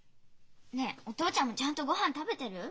ねえお父ちゃんもちゃんと御飯食べてる？